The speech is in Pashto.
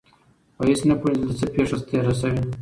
په هېڅ نه پوهېږم چې دلته څه پېښه تېره شوې.